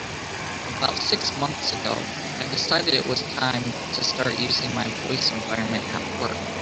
About six months ago, I decided it was time to start using my voice environment at work.